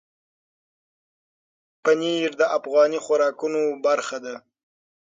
پنېر د افغاني خوراکونو برخه ده.